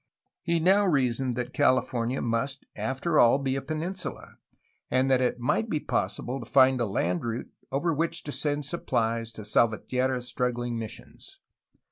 He now reasoned that California must after all be a peninsula, and that it might be possible to find a land route over which to send supphes to Salvatierra's struggling missions.